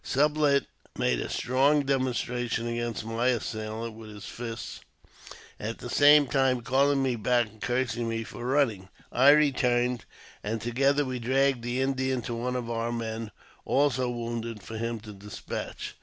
Sublet made a strong demonstration against my assailant with his fists, at the same time calling me back and cmrsing me for running. I returned, and, together, we dragged the Indian to •one of our men, also wounded, for him to despatch.